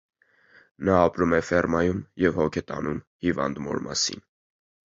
Նա ապրում է ֆերմայում և հոգ է տանում հիվանդ մոր մասին։